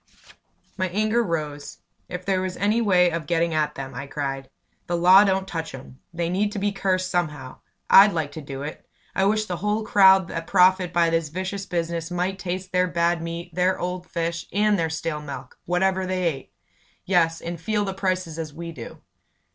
My anger rose. "If there was any way of getting at them!" I cried. "The law don't touch 'em. They need to be cursed somehow! I'd like to do it! I wish the whole crowd that profit by this vicious business might taste their bad meat, their old fish, their stale milk whatever they ate. Yes, and feel the prices as we do!"